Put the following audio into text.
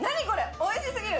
おいしすぎる。